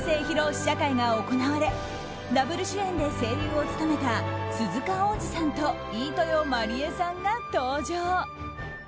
試写会が行われダブル主演で声優を務めた鈴鹿央士さんと飯豊まりえさんが登場。